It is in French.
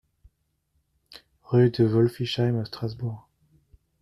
Rue de Wolfisheim à Strasbourg